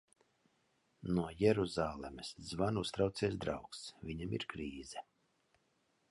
No Jeruzalemes zvana uztraucies draugs, viņam ir krīze.